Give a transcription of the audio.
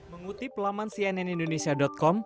mengutip laman cnnindonesia com